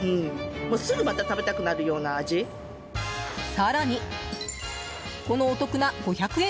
更に、このお得な５００円